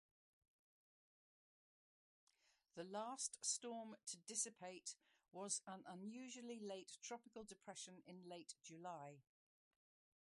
The last storm to dissipate was an unusually late tropical depression in late July.